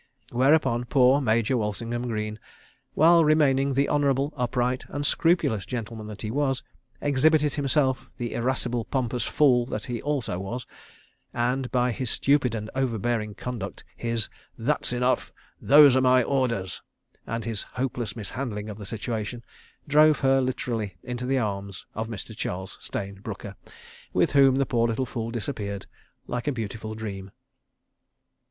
Whereupon poor Major Walsingham Greene, while remaining the honourable, upright and scrupulous gentleman that he was, exhibited himself the irascible, pompous fool that he also was, and by his stupid and overbearing conduct, his "That's enough! Those are my orders," and his hopeless mishandling of the situation, drove her literally into the arms of Mr. Charles Stayne Brooker, with whom the poor little fool disappeared like a beautiful dream.